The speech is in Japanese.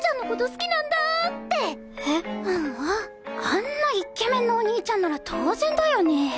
あんなイケメンのお兄ちゃんなら当然だよね。